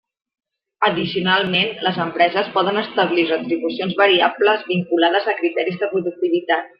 Addicionalment, les empreses poden establir retribucions variables vinculades a criteris de productivitat.